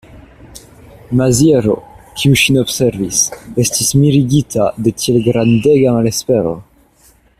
Maziero, kiu ŝin observis, estis miregita de tiel grandega malespero.